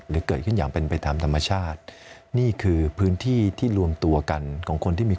เกิดขึ้นอย่างเป็นไปตามธรรมชาตินี่คือพื้นที่ที่รวมตัวกันของคนที่มี